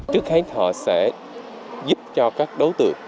trước hết họ sẽ giúp cho các đối tượng